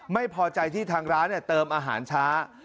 ไม่พอใจที่ทางร้านเติมอาหารช้า